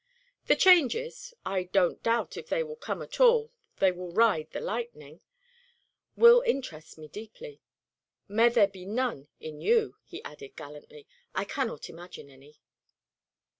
The changes I don't doubt if they come at all they will ride the lightning will interest me deeply. May there be none in you," he added, gallantly. "I cannot imagine any."